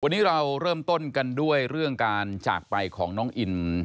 วันนี้เราเริ่มต้นกันด้วยเรื่องการจากไปของน้องอิน